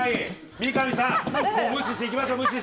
三上さん、無視していきましょう。